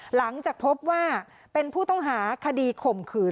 หลังจากพบว่าเป็นผู้ต้องหาคดีข่มขืน